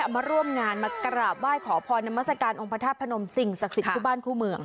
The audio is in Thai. มาร่วมงานมากราบไหว้ขอพรนามัศกาลองค์พระธาตุพนมสิ่งศักดิ์สิทธิคู่บ้านคู่เมือง